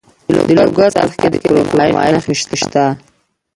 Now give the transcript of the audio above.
د لوګر په څرخ کې د کرومایټ نښې شته.